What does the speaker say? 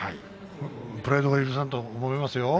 プライドが許さないと思いますよ